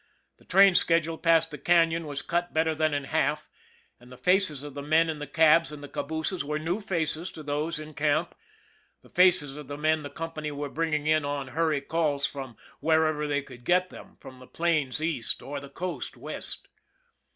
The train schedule past the Canon was cut better than in half, and the faces of the men in the cabs and the cabooses were new faces to those in camp the faces of the men the company were bring ing in on hurry calls from wherever they could get them, from the plains East or the coast West.